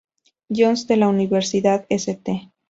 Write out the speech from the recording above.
John's" de la Universidad St.